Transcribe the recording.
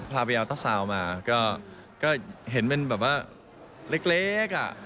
พาไปเอาเจ้าซาวน์มาก็เห็นเป็นแบบว่าเล็กอ่ะ